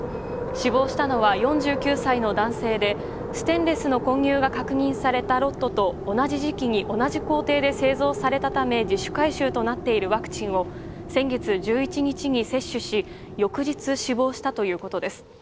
死亡したのは４９歳の男性でステンレスの混入が確認されたロットと同じ時期に、同じ工程で製造されたため自主回収となっているワクチンを先月１１日に接種し翌日、死亡したということです。